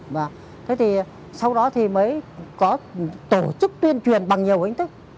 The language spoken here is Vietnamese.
và thế thì sau đó thì mới có tổ chức tuyên truyền bằng nhiều hình thức